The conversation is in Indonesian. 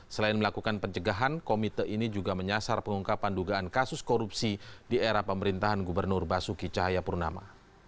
selain melakukan pencegahan komite ini juga menyasar pengungkapan dugaan kasus korupsi di era pemerintahan gubernur basuki cahayapurnama